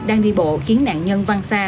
đang đi bộ khiến nạn nhân văng xa